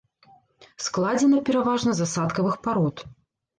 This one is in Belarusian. Складзена пераважна з асадкавых парод.